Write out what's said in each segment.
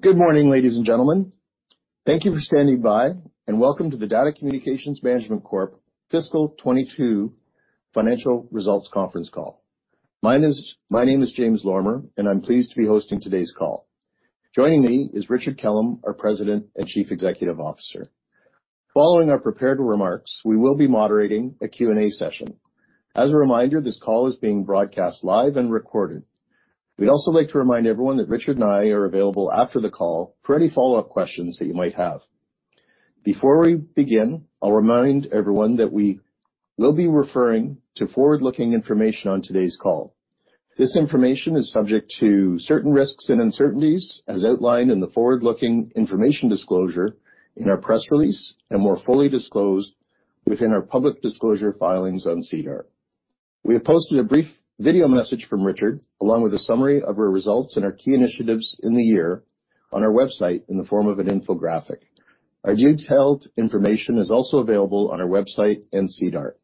Good morning, ladies and gentlemen. Thank you for standing by, and welcome to the DATA Communications Management Corp fiscal 22 financial results conference call. My name is James Lorimer, and I'm pleased to be hosting today's call. Joining me is Richard Kellam, our President and Chief Executive Officer. Following our prepared remarks, we will be moderating a Q&A session. As a reminder, this call is being broadcast live and recorded. We'd also like to remind everyone that Richard and I are available after the call for any follow-up questions that you might have. Before we begin, I'll remind everyone that we will be referring to forward-looking information on today's call. This information is subject to certain risks and uncertainties as outlined in the forward-looking information disclosure in our press release, and more fully disclosed within our public disclosure filings on SEDAR. We have posted a brief video message from Richard, along with a summary of our results and our key initiatives in the year on our website in the form of an infographic. Our detailed information is also available on our website and SEDAR+.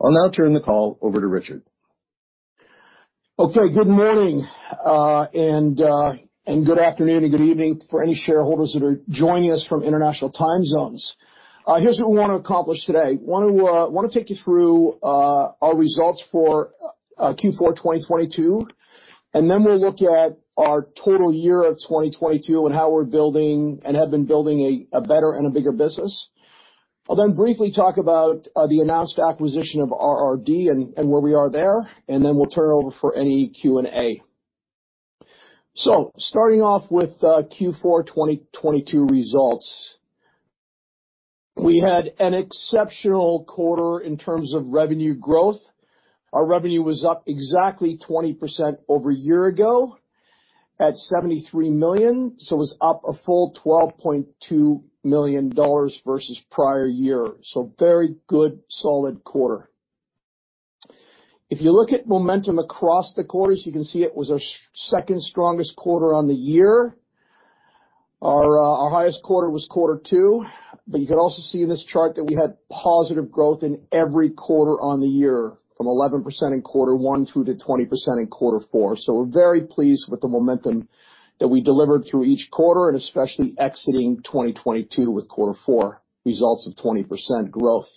I'll now turn the call over to Richard. Okay. Good morning, and good afternoon and good evening for any shareholders that are joining us from international time zones. Here's what we wanna accomplish today. Wanna take you through our results for Q4 2022, and then we'll look at our total year of 2022 and how we're building and have been building a better and a bigger business. I'll then briefly talk about the announced acquisition of RRD and where we are there, and then we'll turn it over for any Q&A. Starting off with Q4 2022 results, we had an exceptional quarter in terms of revenue growth. Our revenue was up exactly 20% over a year ago at 73 million, so it was up a full 12.2 million dollars versus prior year. Very good, solid quarter. If you look at momentum across the quarters, you can see it was our second strongest quarter on the year. Our highest quarter was Q2, you can also see in this chart that we had positive growth in every quarter on the year, from 11% in quarter 1 through to 20% in Q4. We're very pleased with the momentum that we delivered through each quarter and especially exiting 2022 withQ4 results of 20% growth.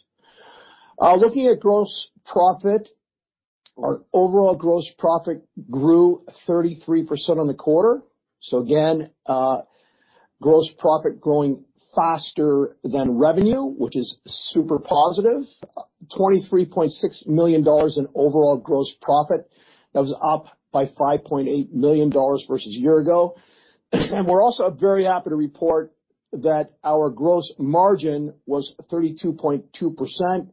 Looking at gross profit, our overall gross profit grew 33% on the quarter. Again, gross profit growing faster than revenue, which is super positive. 23.6 million dollars in overall gross profit. That was up by 5.8 million dollars versus a year ago. We're also very happy to report that our gross margin was 32.2%.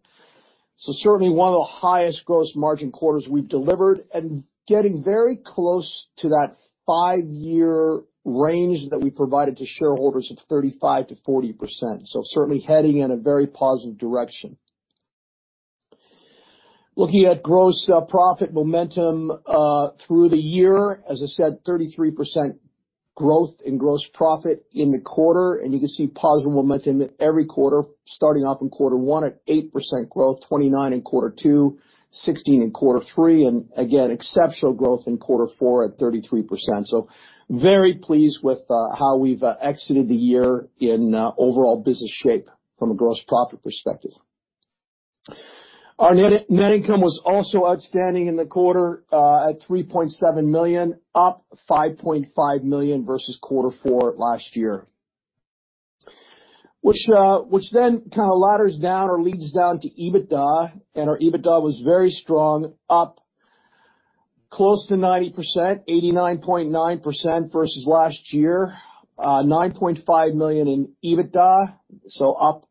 Certainly one of the highest gross margin quarters we've delivered and getting very close to that 5-year range that we provided to shareholders of 35%-40%. Certainly heading in a very positive direction. Looking at gross profit momentum through the year, as I said, 33% growth in gross profit in the quarter, and you can see positive momentum in every quarter, starting off in quarter one at 8% growth, 29% in Q2, 16% in quarter three, and again, exceptional growth in quarter four at 33%. Very pleased with how we've exited the year in overall business shape from a gross profit perspective. Our net income was also outstanding in the quarter, at 3.7 million, up 5.5 million versus quarter four last year, which kinda ladders down or leads down to EBITDA. Our EBITDA was very strong, up close to 90%, 89.9% versus last year. 9.5 million in EBITDA, up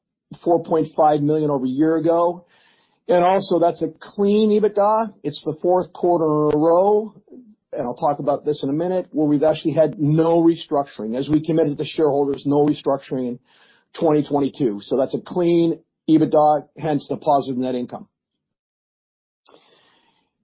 4.5 million over a year ago. Also that's a clean EBITDA. It's the Q4 in a row, I'll talk about this in a minute, where we've actually had no restructuring. As we committed to shareholders, no restructuring in 2022. That's a clean EBITDA, hence the positive net income.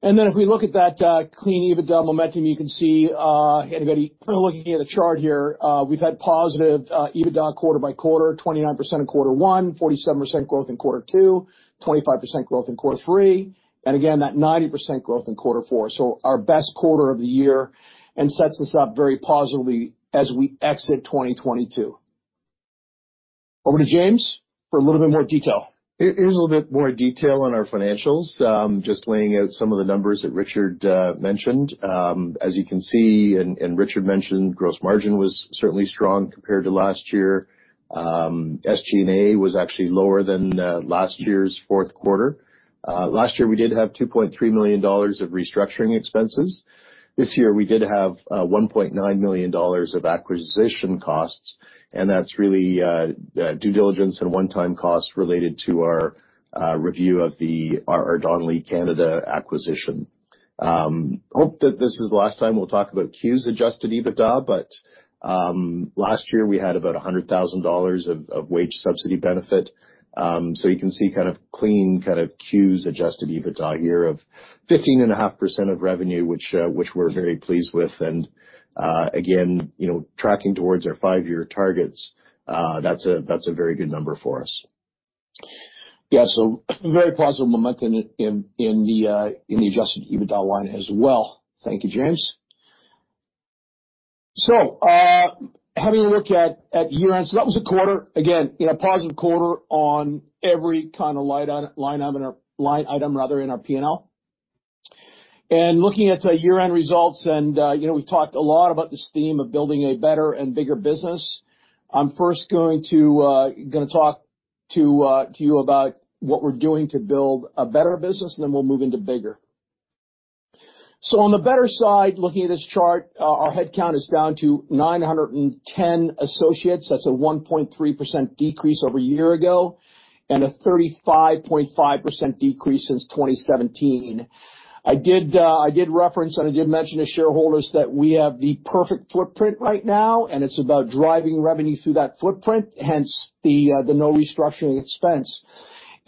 If we look at that, clean EBITDA momentum, you can see, anybody kinda looking at a chart here, we've had positive EBITDA quarter by quarter, 29% in Q1, 47% growth in Q2, 25% growth in Q3, and again, that 90% growth in Q4. Our best quarter of the year and sets us up very positively as we exit 2022. Over to James for a little bit more detail. Here's a little bit more detail on our financials, just laying out some of the numbers that Richard mentioned. As you can see, and Richard mentioned, gross margin was certainly strong compared to last year. SG&A was actually lower than last year's Q4. Last year, we did have CDN 2.3 million of restructuring expenses. This year, we did have CDN 1.9 million of acquisition costs, and that's really due diligence and one-time costs related to our review of the R.R. Donnelley Canada acquisition. Hope that this is the last time we'll talk about Q's adjusted EBITDA, but last year we had about CDN 100,000 of wage subsidy benefit. You can see kind of clean, kind of Q's adjusted EBITDA here of 15.5% of revenue, which we're very pleased with. Again, you know, tracking towards our five-year targets, that's a very good number for us. Yeah. Very positive momentum in the adjusted EBITDA line as well. Thank you, James. Having a look at year-end. That was a quarter. Again, you know, positive quarter on every kind of line item rather in our P&L. Looking at year-end results, you know, we've talked a lot about this theme of building a better and bigger business. I'm first going to gonna talk to you about what we're doing to build a better business, and then we'll move into bigger. On the better side, looking at this chart, our headcount is down to 910 associates. That's a 1.3% decrease over a year ago and a 35.5% decrease since 2017. I did, I did reference, I did mention to shareholders that we have the perfect footprint right now, it's about driving revenue through that footprint, hence the no restructuring expense.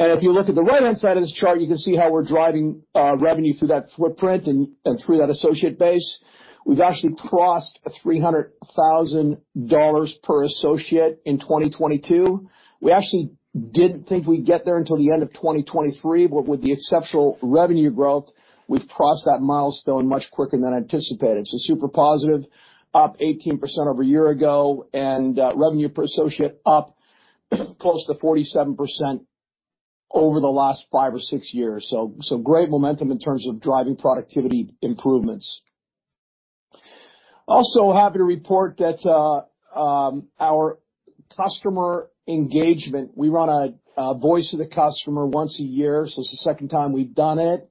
If you look at the right-hand side of this chart, you can see how we're driving revenue through that footprint and through that associate base. We've actually crossed 300,000 dollars per associate in 2022. We actually didn't think we'd get there until the end of 2023, with the exceptional revenue growth, we've crossed that milestone much quicker than anticipated. Super positive, up 18% over a year ago, revenue per associate up close to 47% over the last 5 or 6 years. Great momentum in terms of driving productivity improvements. Also happy to report that our customer engagement. We run a voice of the customer once a year, so it's the second time we've done it,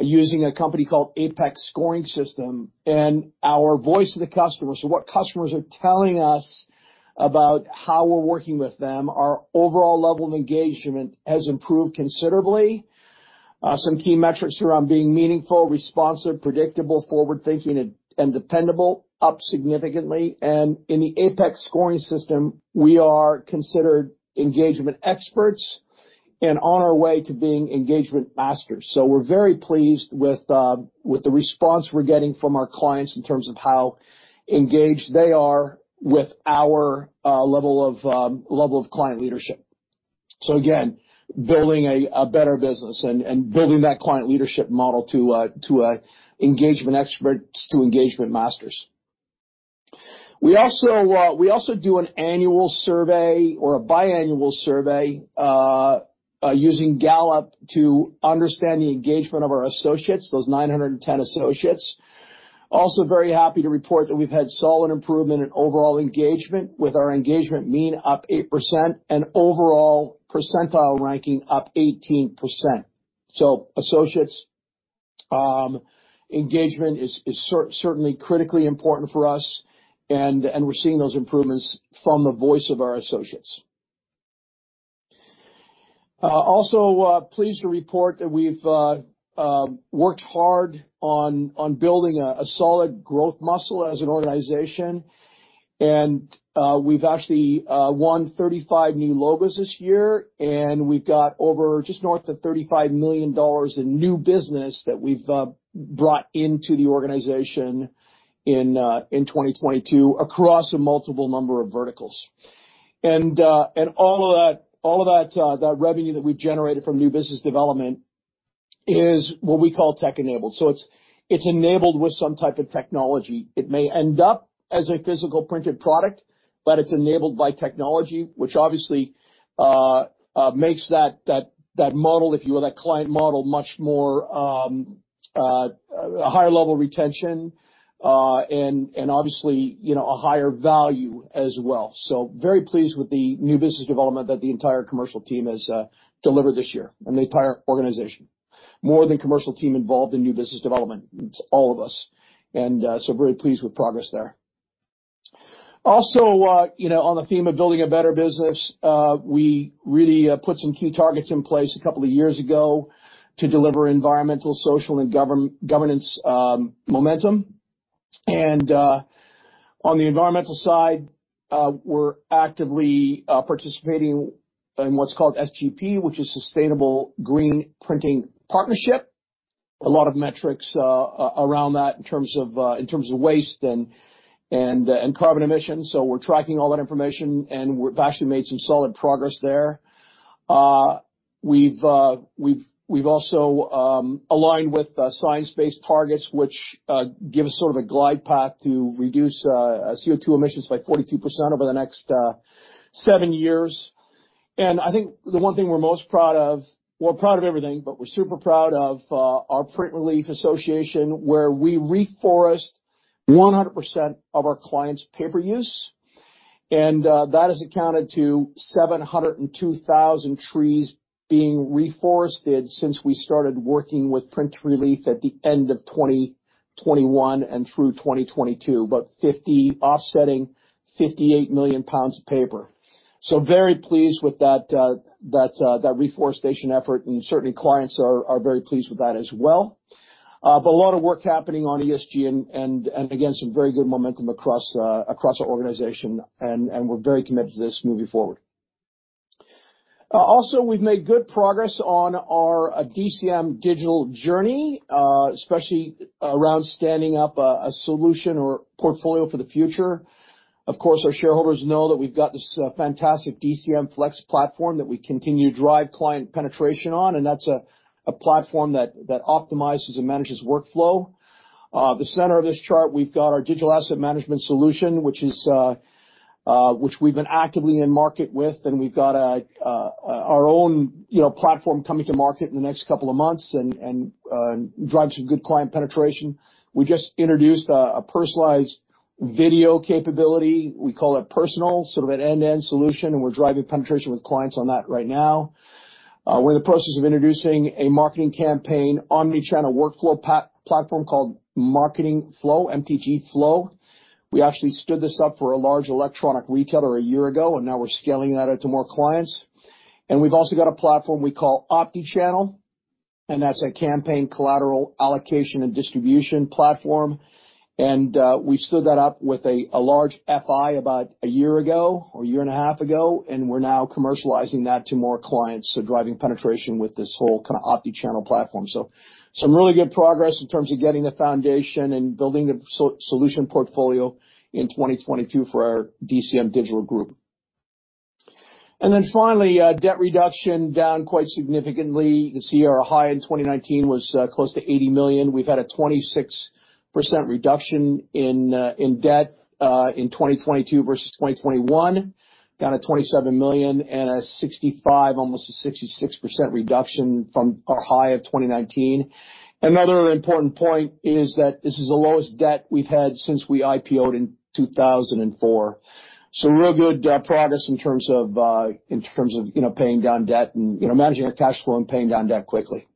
using a company called Apex Scoring System. Our voice of the customer, so what customers are telling us about how we're working with them, our overall level of engagement has improved considerably. Some key metrics around being meaningful, responsive, predictable, forward-thinking, and dependable up significantly. In the Apex Scoring System, we are considered engagement experts and on our way to being engagement masters. We're very pleased with the response we're getting from our clients in terms of how engaged they are with our level of client leadership. Again, building a better business and building that client leadership model to engagement experts, to engagement masters. We also do an annual survey or a biannual survey using Gallup to understand the engagement of our associates, those 910 associates. Very happy to report that we've had solid improvement in overall engagement with our engagement mean up 8% and overall percentile ranking up 18%. Associates' engagement is certainly critically important for us and we're seeing those improvements from the voice of our associates. Pleased to report that we've worked hard on building a solid growth muscle as an organization. We've actually won 35 new logos this year, and we've got over just north of 35 million dollars in new business that we've brought into the organization in 2022 across a multiple number of verticals. All of that revenue that we've generated from new business development is what we call tech-enabled. It's enabled with some type of technology. It may end up as a physical printed product, but it's enabled by technology, which obviously, makes that model, if you will, that client model, much more, a higher level retention, and obviously, you know, a higher value as well. Very pleased with the new business development that the entire commercial team has delivered this year and the entire organization. More than commercial team involved in new business development. It's all of us. Very pleased with progress there. Also, you know, on the theme of building a better business, we really put some key targets in place a couple of years ago to deliver environmental, social, and governance momentum. On the environmental side, we're actively participating in what's called SGP, which is Sustainable Green Printing Partnership. A lot of metrics around that in terms of waste and carbon emissions. We're tracking all that information, and we've actually made some solid progress there. We've also aligned with science-based targets, which give us sort of a glide path to reduce CO2 emissions by 42% over the next seven years. I think the one thing we're most proud of... We're proud of everything, but we're super proud of our PrintReleaf Association, where we reforest 100% of our clients' paper use. That has accounted to 702,000 trees being reforested since we started working with PrintReleaf at the end of 2021 and through 2022, offsetting 58 million pounds of paper. Very pleased with that reforestation effort, and certainly, clients are very pleased with that as well. A lot of work happening on ESG and again, some very good momentum across our organization and we're very committed to this moving forward. Also, we've made good progress on our DCM digital journey, especially around standing up a solution or portfolio for the future. Of course, our shareholders know that we've got this fantastic DCM FLEX platform that we continue to drive client penetration on, and that's a platform that optimizes and manages workflow. The center of this chart, we've got our digital asset management solution, which is, which we've been actively in market with, and we've got our own, you know, platform coming to market in the next couple of months and drive some good client penetration. We just introduced a personalized video capability. We call it PRSNL, sort of an end-to-end solution, and we're driving penetration with clients on that right now. We're in the process of introducing a marketing campaign omnichannel workflow platform called Marketing Flow, MTG Flow. We actually stood this up for a large electronic retailer 1 year ago. Now we're scaling that out to more clients. We've also got a platform we call Opti-Channel. That's a campaign collateral allocation and distribution platform. We stood that up with a large FI about 1 year ago or 1 year and a half ago. We're now commercializing that to more clients, so driving penetration with this whole kind of Opti-Channel platform. Some really good progress in terms of getting the foundation and building the so-solution portfolio in 2022 for our DCM digital group. Finally, debt reduction down quite significantly. You can see our high in 2019 was close to CDN 80 million. We've had a 26% reduction in debt in 2022 versus 2021. Down to 27 million and a 65%, almost a 66% reduction from our high of 2019. Another important point is that this is the lowest debt we've had since we IPO'd in 2004. Real good progress in terms of, in terms of, you know, paying down debt and, you know, managing our cash flow and paying down debt quickly.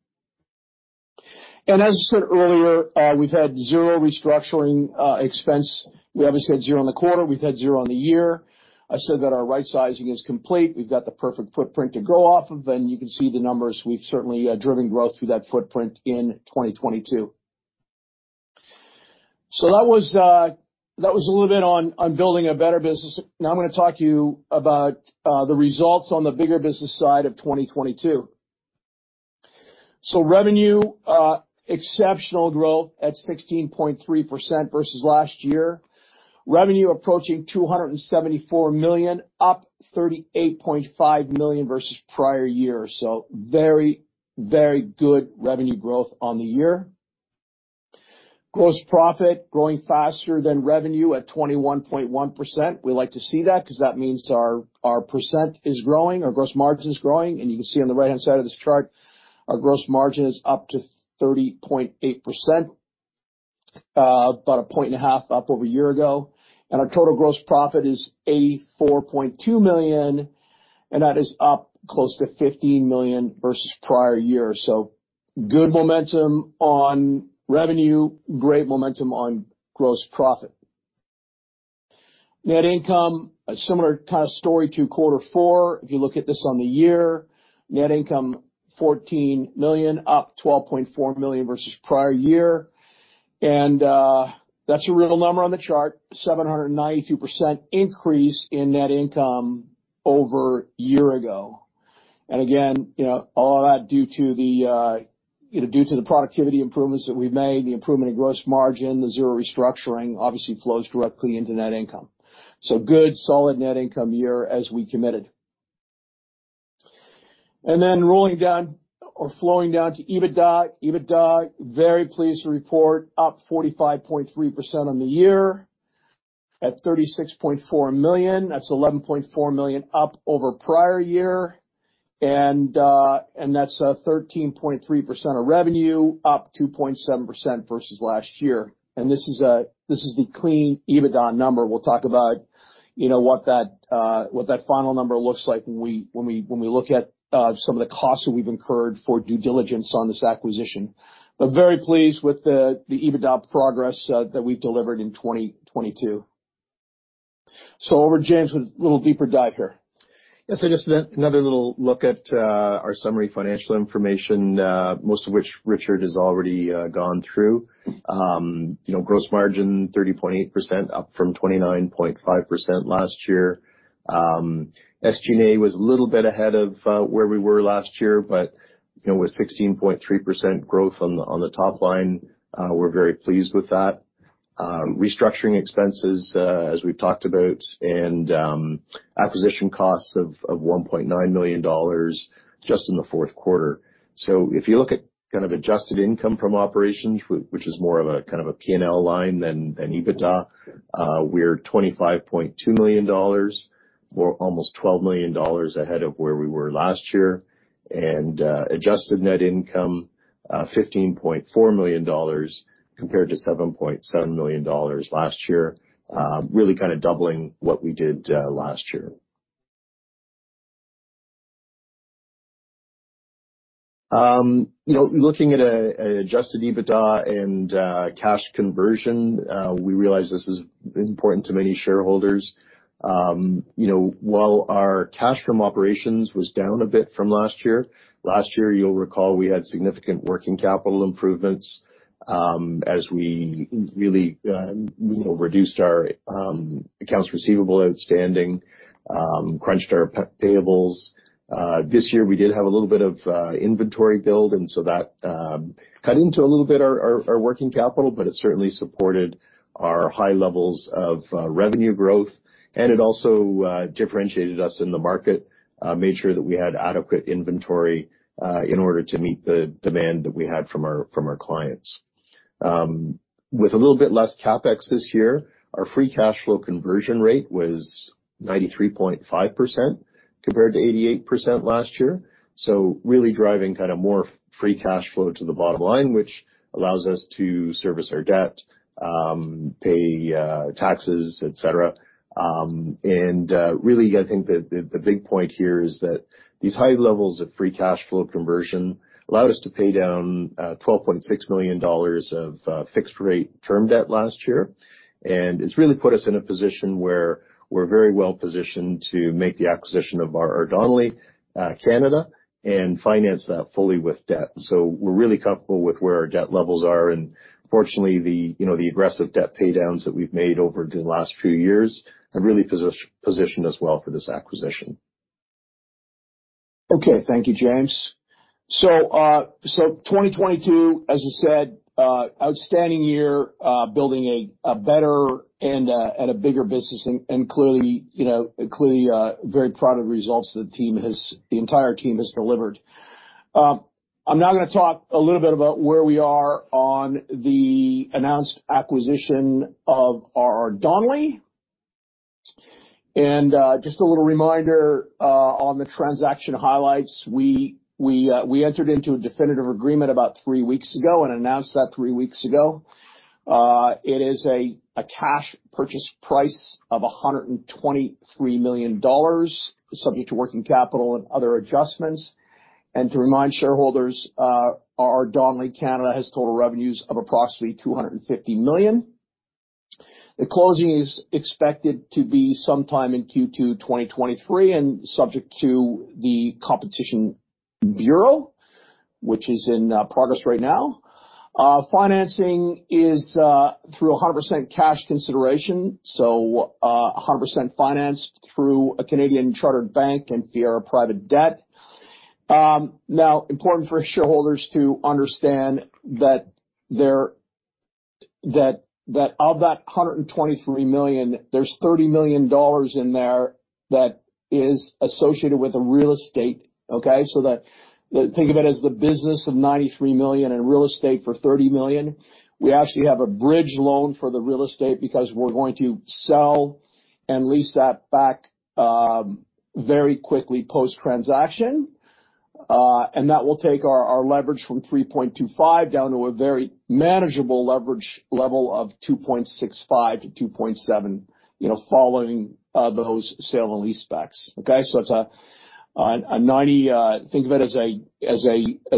As I said earlier, we've had zero restructuring expense. We obviously had zero in the quarter. We've had zero on the year. I said that our right sizing is complete. We've got the perfect footprint to grow off of, and you can see the numbers. We've certainly driven growth through that footprint in 2022. That was, that was a little bit on building a better business. I'm gonna talk to you about the results on the bigger business side of 2022. Revenue, exceptional growth at 16.3% versus last year. Revenue approaching 274 million, up 38.5 million versus prior year. Very, very good revenue growth on the year. Gross profit growing faster than revenue at 21.1%. We like to see that because that means our percent is growing, our gross margin is growing, and you can see on the right-hand side of this chart, our gross margin is up to 30.8%, about a point and a half up over a year ago. Our total gross profit is 84.2 million, and that is up close to 15 million versus prior year. Good momentum on revenue, great momentum on gross profit. Net income, a similar kind of story to quarter four. If you look at this on the year, net income 14 million, up 12.4 million versus prior year. That's a real number on the chart, 792% increase in net income over a year ago. Again, you know, all of that due to the, you know, due to the productivity improvements that we've made, the improvement in gross margin, the zero restructuring obviously flows directly into net income. Good, solid net income year as we committed. Then rolling down or flowing down to EBITDA. EBITDA, very pleased to report up 45.3% on the year at 36.4 million. That's 11.4 million up over prior year. That's 13.3% of revenue, up 2.7% versus last year. This is the clean EBITDA number. We'll talk about, you know, what that final number looks like when we look at some of the costs that we've incurred for due diligence on this acquisition. Very pleased with the EBITDA progress that we've delivered in 2022. Over to James with a little deeper dive here. Yes. Just another little look at our summary financial information, most of which Richard has already gone through. You know, gross margin, 30.8%, up from 29.5% last year. SG&A was a little bit ahead of where we were last year, but, you know, with 16.3% growth on the top line, we're very pleased with that. Restructuring expenses, as we've talked about, and acquisition costs of 1.9 million dollars just in the Q4. If you look at kind of adjusted income from operations, which is more of a kind of a P&L line than an EBITDA, we're 25.2 million dollars, or almost 12 million dollars ahead of where we were last year. Adjusted net income, 15.4 million dollars compared to 7.7 million dollars last year, really kind of doubling what we did last year. You know, looking at adjusted EBITDA and cash conversion, we realize this is important to many shareholders. You know, while our cash from operations was down a bit from last year, last year you'll recall we had significant working capital improvements, as we really, you know, reduced our accounts receivable outstanding, crunched our payables. This year we did have a little bit of inventory build and so that cut into a little bit our working capital, but it certainly supported our high levels of revenue growth and it also differentiated us in the market, made sure that we had adequate inventory in order to meet the demand that we had from our clients. With a little bit less CapEx this year, our free cash flow conversion rate was 93.5% compared to 88% last year. Really driving kinda more free cash flow to the bottom line, which allows us to service our debt, pay taxes, et cetera. Really, I think the big point here is that these high levels of free cash flow conversion allowed us to pay down CDN 12.6 million of fixed rate term debt last year. It's really put us in a position where we're very well positioned to make the acquisition of R.R. Donnelley Canada and finance that fully with debt. We're really comfortable with where our debt levels are, and fortunately, you know, the aggressive debt pay downs that we've made over the last few years have really positioned us well for this acquisition. Thank you, James. 2022, as you said, outstanding year, building a better and a bigger business and clearly, you know, clearly, very proud of the results the entire team has delivered. I'm now going to talk a little bit about where we are on the announced acquisition of R.R. Donnelley. Just a little reminder on the transaction highlights. We entered into a definitive agreement about 3 weeks ago and announced that 3 weeks ago. It is a cash purchase price of 123 million dollars subject to working capital and other adjustments. To remind shareholders, R.R. Donnelley Canada has total revenues of approximately 250 million. The closing is expected to be sometime in Q2 2023, subject to the Competition Bureau, which is in progress right now. Financing is through 100% cash consideration, 100% financed through a Canadian chartered bank and via private debt. Now important for shareholders to understand that of that 123 million, there's 30 million dollars in there that is associated with the real estate, okay? That, think of it as the business of 93 million and real estate for 30 million. We actually have a bridge loan for the real estate because we're going to sell and lease that back very quickly post-transaction. That will take our leverage from 3.25 down to a very manageable leverage level of 2.65 to 2.7, you know, following those sale and lease backs, okay? It's a ninety, think of it as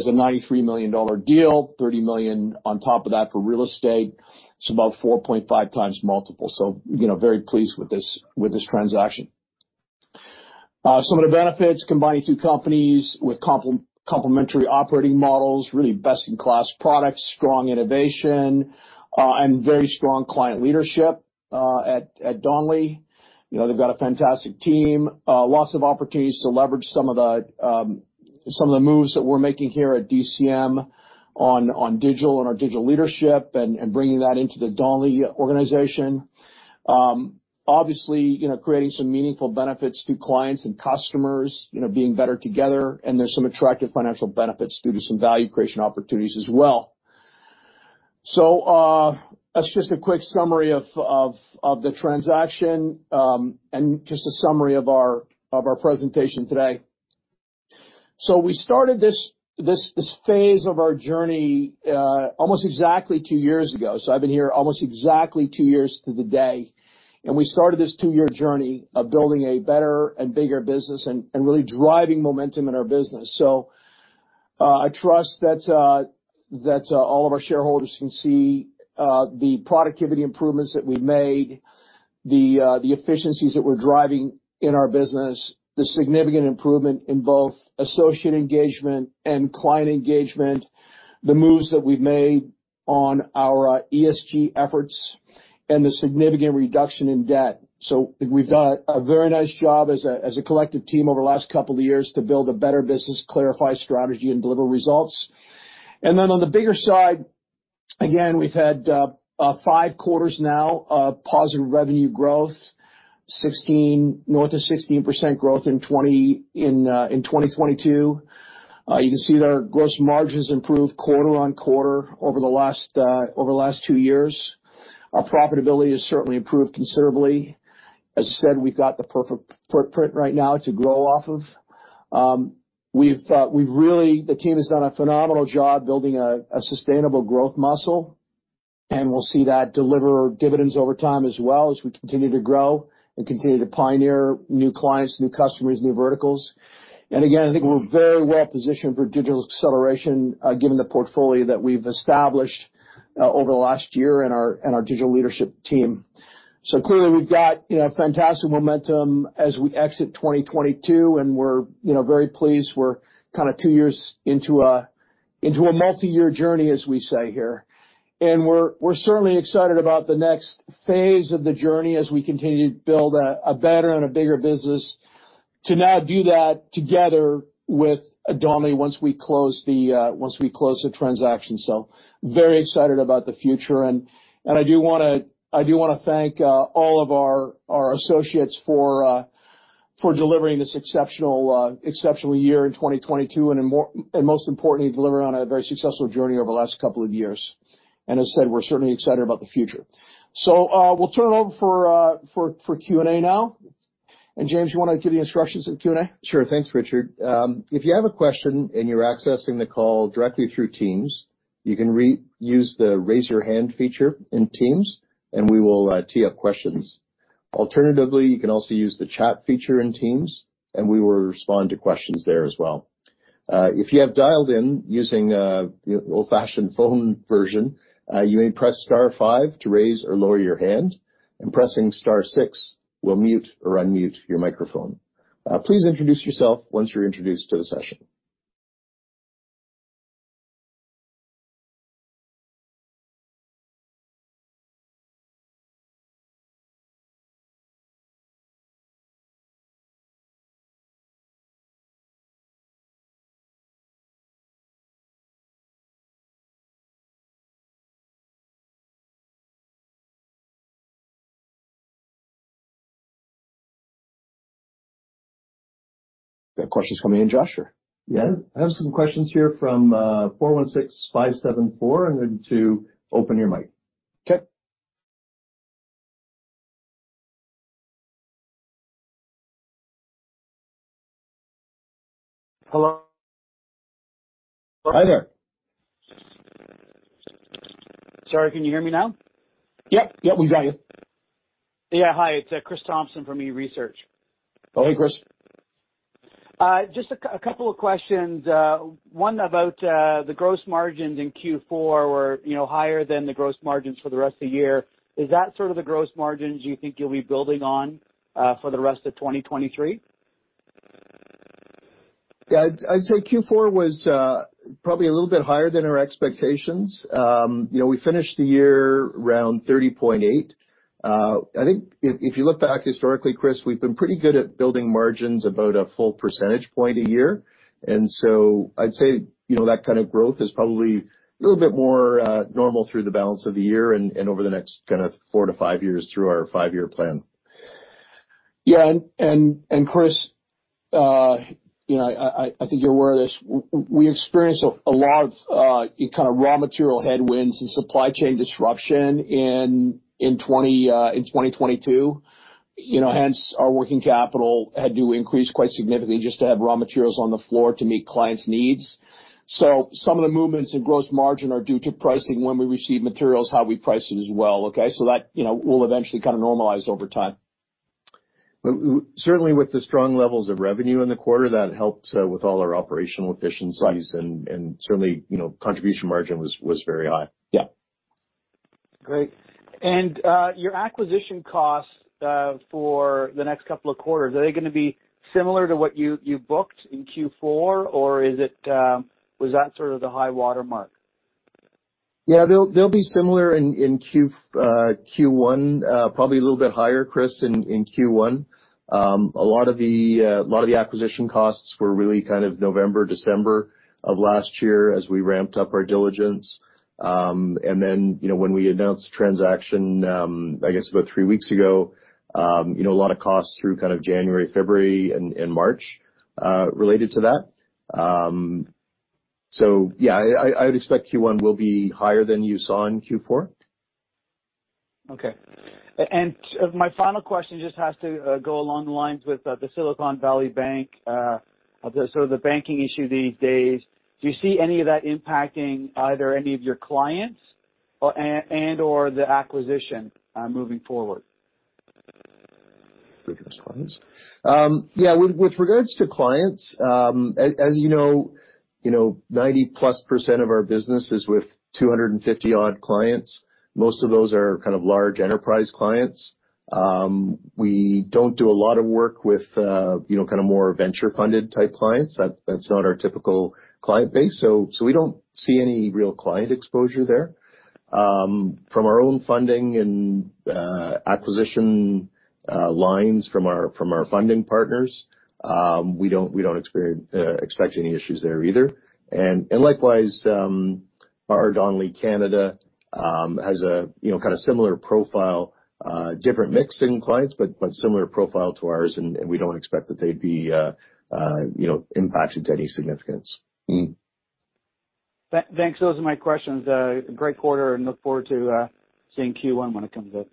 a 93 million dollar deal, 30 million on top of that for real estate. It's about 4.5x multiple. You know, very pleased with this transaction. Some of the benefits, combining two companies with complementary operating models, really best-in-class products, strong innovation and very strong client leadership at Donnelley. You know, they've got a fantastic team. Lots of opportunities to leverage some of the moves that we're making here at DCM on digital and our digital leadership and bringing that into the Donnelley organization. Obviously, you know, creating some meaningful benefits to clients and customers, you know, being better together. There's some attractive financial benefits due to some value creation opportunities as well. That's just a quick summary of the transaction. Just a summary of our presentation today. We started this phase of our journey almost exactly two years ago. I've been here almost exactly two years to the day. We started this two-year journey of building a better and bigger business and really driving momentum in our business. I trust that all of our shareholders can see the productivity improvements that we've made, the efficiencies that we're driving in our business, the significant improvement in both associate engagement and client engagement, the moves that we've made on our ESG efforts, and the significant reduction in debt. We've done a very nice job as a collective team over the last couple of years to build a better business, clarify strategy and deliver results. On the bigger side, again, we've had Q5 now of positive revenue growth, north of 16% growth in 2022. You can see that our gross margins improved quarter-on-quarter over the last 2 years. Our profitability has certainly improved considerably. As I said, we've got the perfect footprint right now to grow off of. The team has done a phenomenal job building a sustainable growth muscle. We'll see that deliver dividends over time as well as we continue to grow and continue to pioneer new clients, new customers, new verticals. Again, I think we're very well positioned for digital acceleration given the portfolio that we've established over the last year and our digital leadership team. Clearly, we've got, you know, fantastic momentum as we exit 2022, and we're, you know, very pleased. We're kinda 2 years into a multi-year journey, as we say here. We're certainly excited about the next phase of the journey as we continue to build a better and a bigger business to now do that together with Donnelley once we close the once we close the transaction. Very excited about the future. I do wanna thank all of our associates for delivering this exceptional exceptional year in 2022 and most importantly, delivering on a very successful journey over the last couple of years. As I said, we're certainly excited about the future. We'll turn it over for Q&A now. James, you wanna give the instructions of Q&A? Sure. Thanks, Richard. If you have a question, and you're accessing the call directly through Teams, you can use the Raise Your Hand feature in Teams, and we will tee up questions. Alternatively, you can also use the chat feature in Teams, and we will respond to questions there as well. If you have dialed in using the old-fashioned phone version, you may press star 5 to raise or lower your hand, and pressing star 6 will mute or unmute your microphone. Please introduce yourself once you're introduced to the session. Got questions coming in, Josh? Yeah. I have some questions here from, 416574. I'm going to open your mic. Okay. Hello? Hi there. Sorry, can you hear me now? Yep. Yep, we got you. Yeah. Hi, it's Chris Thompson from eResearch. How are you, Chris? Just a couple of questions. One about the gross margins in Q4 were, you know, higher than the gross margins for the rest of the year. Is that sort of the gross margins you think you'll be building on for the rest of 2023? Yeah. I'd say Q4 was probably a little bit higher than our expectations. You know, we finished the year around 30.8%. I think if you look back historically, Chris, we've been pretty good at building margins about a full percentage point a year. I'd say, you know, that kind of growth is probably a little bit more normal through the balance of the year and over the next kinda 4-5 years through our five-year plan. Yeah. Chris, you know, I think you're aware of this. We experienced a lot of kinda raw material headwinds and supply chain disruption in 2022. You know, hence, our working capital had to increase quite significantly just to have raw materials on the floor to meet clients' needs. Some of the movements in gross margin are due to pricing when we receive materials, how we price it as well, okay. That, you know, will eventually kinda normalize over time. Certainly, with the strong levels of revenue in the quarter, that helped with all our operational efficiencies. Right. Certainly, you know, contribution margin was very high. Yeah. Great. Your acquisition costs, for the next couple of quarters, are they gonna be similar to what you booked in Q4, or is it, was that sort of the high watermark? Yeah. They'll be similar in Q1, probably a little bit higher, Chris, in Q1. A lot of the acquisition costs were really kind of November, December of last year as we ramped up our diligence. And then, you know, when we announced the transaction, I guess about 3 weeks ago, you know, a lot of costs through kind of January, February, and March related to that. Yeah. I would expect Q1 will be higher than you saw in Q4. My final question just has to go along the lines with the Silicon Valley Bank, the sort of the banking issue these days. Do you see any of that impacting either any of your clients or, and/or the acquisition moving forward? Yeah. With regards to clients, as you know, you know, 90% plus of our business is with 250 odd clients. Most of those are kind of large enterprise clients. We don't do a lot of work with, you know, kind of more venture-funded type clients. That's not our typical client base. We don't see any real client exposure there. From our own funding and acquisition lines from our funding partners, we don't expect any issues there either. Likewise, our Donnelley Canada has a, you know, kind of similar profile, different mix in clients but similar profile to ours, we don't expect that they'd be, you know, impacted to any significance. Thanks. Those are my questions. Great quarter and look forward to seeing Q1 when it comes up.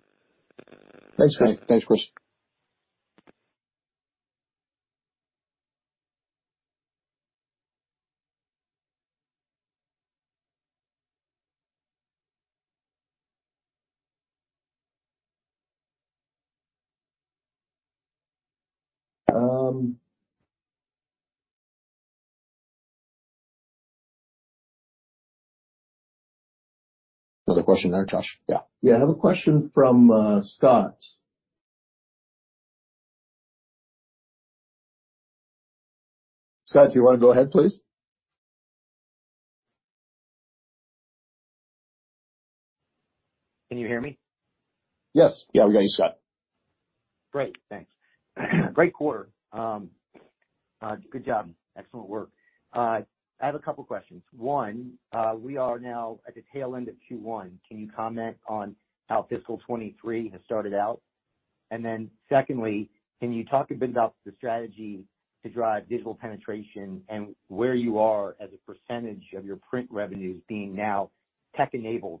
Thanks, Chris. Another question there, Josh? Yeah. Yeah, I have a question from Scott. Scott, do you wanna go ahead, please? Can you hear me? Yes. Yeah, we got you, Scott. Great, thanks. Great quarter. Good job. Excellent work. I have a couple questions. One, we are now at the tail end of Q1. Can you comment on how fiscal 2023 has started out? Secondly, can you talk a bit about the strategy to drive digital penetration and where you are as a % of your print revenues being now tech-enabled?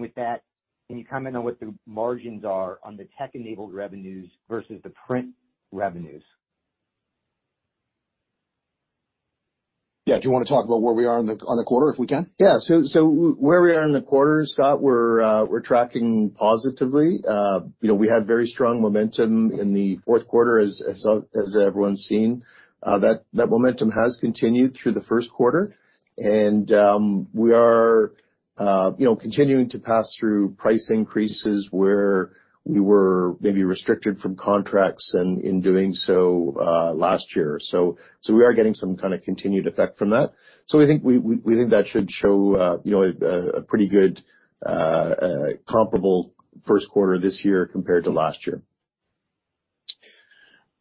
With that, can you comment on what the margins are on the tech-enabled revenues versus the print revenues? Yeah. Do you wanna talk about where we are on the quarter, if we can? Yeah. So, where we are in the quarter, Scott, we're tracking positively. You know, we had very strong momentum in the Q4 as everyone's seen. That momentum has continued through the Q1. We are, you know, continuing to pass through price increases where we were maybe restricted from contracts and in doing so, last year. So, we are getting some kinda continued effect from that. I think we think that should show, you know, a pretty good comparable Q1 this year compared to last year.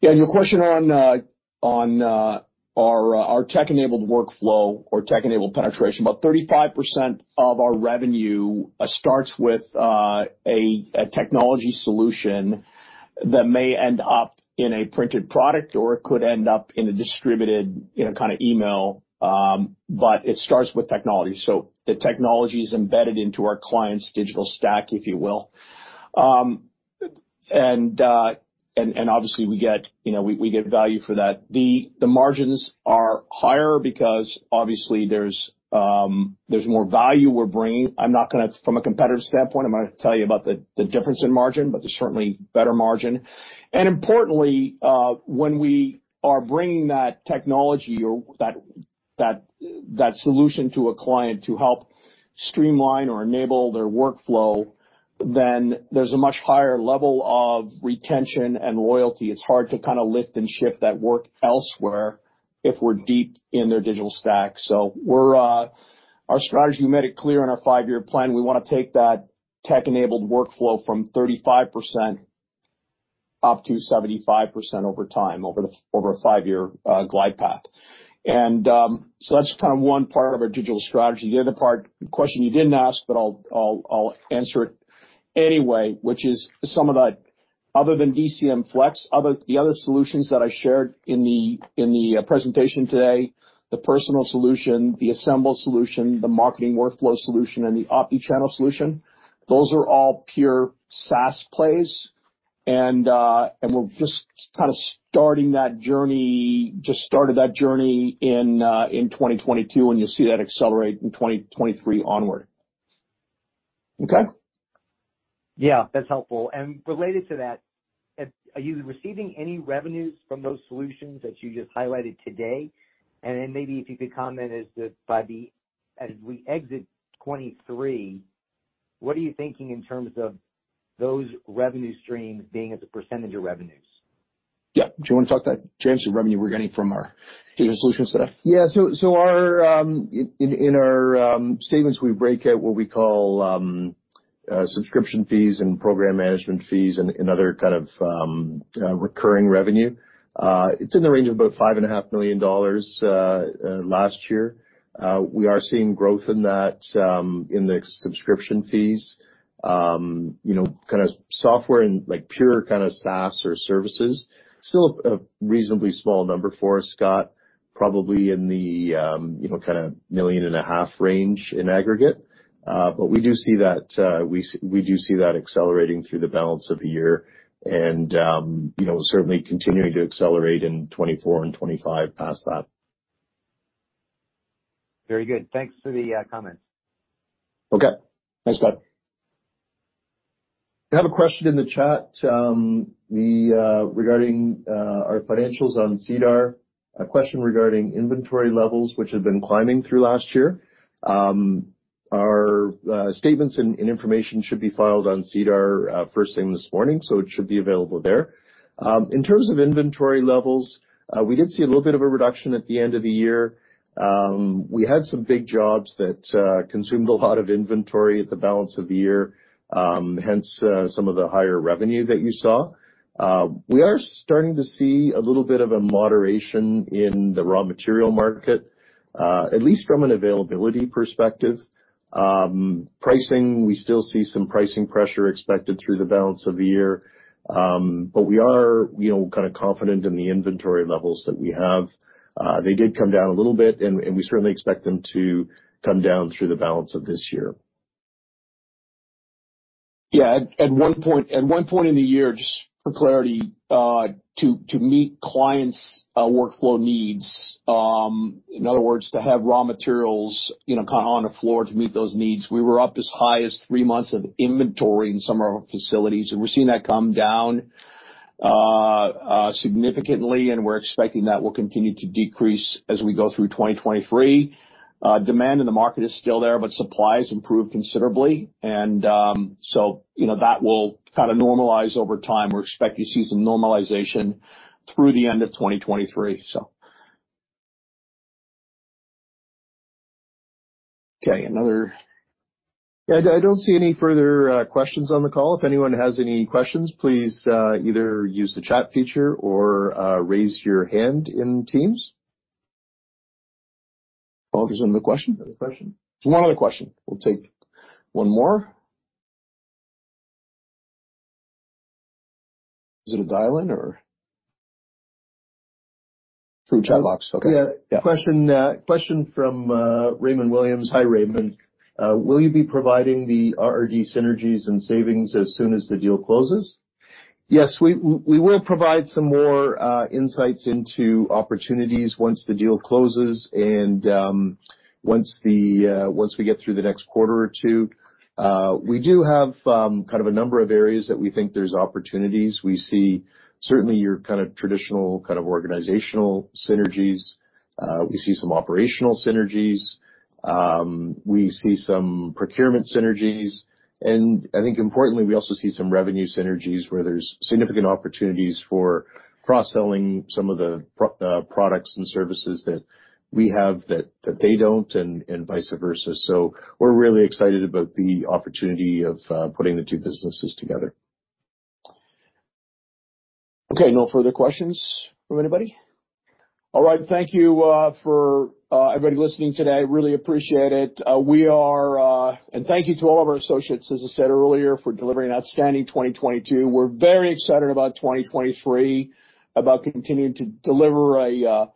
Yeah. Your question on our tech-enabled workflow or tech-enabled penetration. About 35% of our revenue starts with a technology solution that may end up in a printed product or it could end up in a distributed, you know, kinda email. It starts with technology. The technology is embedded into our client's digital stack, if you will. Obviously we get, you know, we get value for that. The margins are higher because obviously there's more value we're bringing. From a competitive standpoint, I'm not gonna tell you about the difference in margin, but there's certainly better margin. Importantly, when we are bringing that technology or that solution to a client to help streamline or enable their workflow, then there's a much higher level of retention and loyalty. It's hard to kinda lift and shift that work elsewhere if we're deep in their digital stack. We're our strategy, we made it clear in our five-year plan. We wanna take that tech-enabled workflow from 35% up to 75% over time, over a five-year glide path. That's kind of one part of our digital strategy. The other part, the question you didn't ask, but I'll answer it anyway, which is the other solutions that I shared in the presentation today, the PRSNL solution, the ASMBL solution, the marketing workflow solution, and the omnichannel solution, those are all pure SaaS plays. We're just kind of starting that journey, just started that journey in 2022, You'll see that accelerate in 2023 onward. Okay? Yeah, that's helpful. Related to that, are you receiving any revenues from those solutions that you just highlighted today? Maybe if you could comment as to as we exit 2023, what are you thinking in terms of those revenue streams being as a % of revenues? Yeah. Do you wanna talk that, James, the revenue we're getting from our digital solution set up? Yeah. Our in our statements, we break out what we call subscription fees and program management fees and other kind of recurring revenue. It's in the range of about 5.5 million dollars last year. We are seeing growth in that in the subscription fees, you know, kinda software and like pure kinda SaaS or services. Still a reasonably small number for us, Scott, probably in the, you know, kinda 1.5 million range in aggregate. We do see that accelerating through the balance of the year and, you know, certainly continuing to accelerate in 2024 and 2025 past that. Very good. Thanks for the comments. Okay. Thanks, Scott. I have a question in the chat, regarding our financials on SEDAR. A question regarding inventory levels, which have been climbing through last year. Our statements and information should be filed on SEDAR first thing this morning, so it should be available there. In terms of inventory levels, we did see a little bit of a reduction at the end of the year. We had some big jobs that consumed a lot of inventory at the balance of the year, hence some of the higher revenue that you saw. We are starting to see a little bit of a moderation in the raw material market, at least from an availability perspective. Pricing, we still see some pricing pressure expected through the balance of the year. We are, you know, kinda confident in the inventory levels that we have. They did come down a little bit and we certainly expect them to come down through the balance of this year. Yeah. At 1 point in the year, just for clarity, to meet clients' workflow needs, in other words, to have raw materials, you know, on the floor to meet those needs, we were up as high as 3 months of inventory in some of our facilities, and we're seeing that come down significantly, and we're expecting that will continue to decrease as we go through 2023. Demand in the market is still there, supply has improved considerably. That will kinda normalize over time. We expect to see some normalization through the end of 2023, so. Okay. Yeah, I don't see any further questions on the call. If anyone has any questions, please either use the chat feature or raise your hand in Teams. Paul, there's another question? Another question. One other question. We'll take one more. Is it a dial-in or... Through chat box. Okay. Yeah. Yeah. Question from Raymond Williams. Hi, Raymond. Will you be providing the RRD synergies and savings as soon as the deal closes? Yes. We will provide some more insights into opportunities once the deal closes and once we get through the next quarter or two. We do have kind of a number of areas that we think there's opportunities. We see certainly your kind of traditional organizational synergies. We see some operational synergies. We see some procurement synergies. I think importantly, we also see some revenue synergies where there's significant opportunities for cross-selling some of the products and services that we have that they don't, and vice versa. We're really excited about the opportunity of putting the two businesses together. Okay. No further questions from anybody? All right. Thank you for everybody listening today. Really appreciate it. We are... Thank you to all of our associates, as I said earlier, for delivering an outstanding 2022. We're very excited about 2023, about continuing to deliver a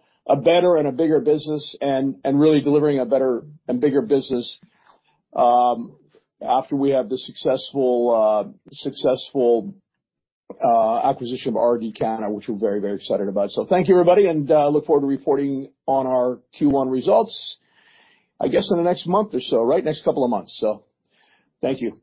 better and a bigger business and really delivering a better and bigger business after we have the successful acquisition of RRD Canada, which we're very, very excited about. Thank you, everybody, and look forward to reporting on our Q1 results, I guess, in the next month or so. Right? Next couple of months. Thank you.